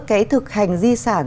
cái thực hành di sản